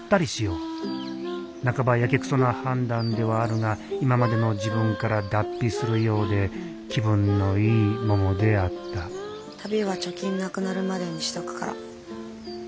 半ばやけくそな判断ではあるが今までの自分から脱皮するようで気分のいいももであった旅は貯金なくなるまでにしとくから。